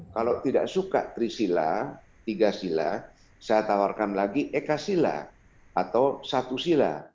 kalau tidak suka trisila tiga sila saya tawarkan lagi eka sila atau satu sila